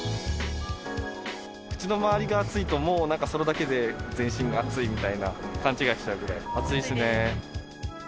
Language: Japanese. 口の周りが熱いと、もう、なんかそれだけで全身が暑いみたいな、勘違いしちゃうぐらい暑いっすね。